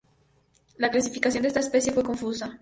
La clasificación de esta especie fue confusa.